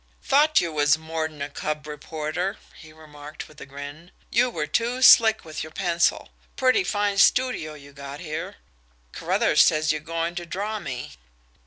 "Thought you was more'n a cub reporter," he remarked, with a grin. "You were too slick with your pencil. Pretty fine studio you got here. Carruthers says you're going to draw me."